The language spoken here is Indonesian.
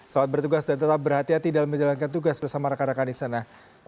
selamat bertugas dan tetap berhati hati dalam menjalankan tugas bersama rekan rekan di sana